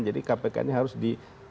jadi kpk ini harus di